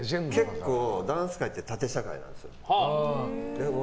結構ダンス界って縦社会なんですよ。